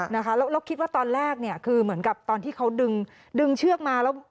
เราคิดว่าตอนแรกคือเหมือนกับตอนที่เขาดึงเชือกมา